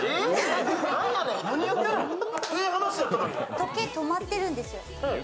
時計止まってるんですよ。